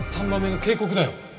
３番目の「警告」だよ。